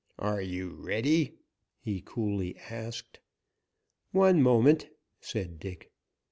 "Are you ready?" he coolly asked. "One moment," said Dick.